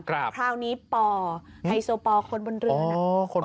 คราวนี้ป่อไฮโซปอลคนบนเรือน่ะ